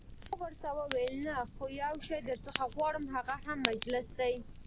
ما ورته وویل: نه، خو یو شی درڅخه غواړم، هغه هم مجلس دی.